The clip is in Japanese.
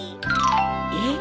えっ？